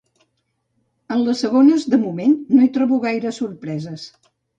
En les segones, de moment, no hi trobo gaires sorpreses.